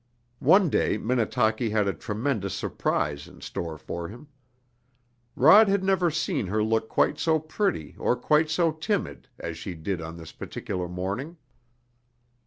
One day Minnetaki had a tremendous surprise in store for him. Rod had never seen her look quite so pretty, or quite so timid, as she did on this particular morning.